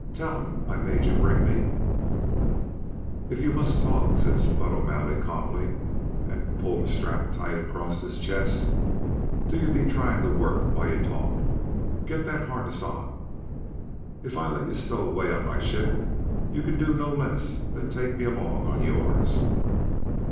tell 'em I made you bring me " "If you must talk," said Spud O'Malley calmly, and pulled a strap tight across his chest, "do ye be tryin to work while you talk. Get that harness on! If I let you stow away on my ship you can do no less than take me along on yours!"